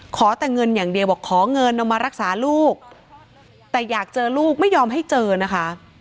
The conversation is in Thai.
ขอแต่เงินอย่างเดียวบอกขอเงินเอามารักษาลูกแต่อยากเจอลูกไม่ยอมให้เจอนะคะ